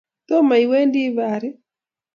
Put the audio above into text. Tomo iwendi Pari?